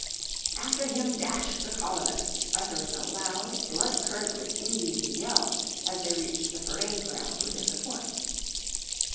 After him dashed the colonists uttering a loud, blood curdling, Indian yell as they reached the parade ground within the fort.